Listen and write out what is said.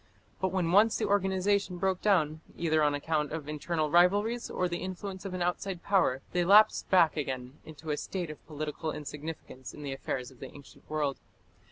But when once the organization broke down, either on account of internal rivalries or the influence of an outside power, they lapsed back again into a state of political insignificance in the affairs of the ancient world.